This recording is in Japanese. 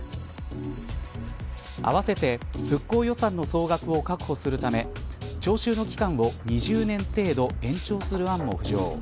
併せて、復興予算の総額を確保するため徴収の期間を２０年程度延長する案も浮上。